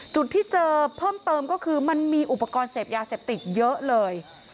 จุดที่เจอเพิ่มเติมก็คือมันมีอุปกรณ์เสพยาเสพติดเยอะเลย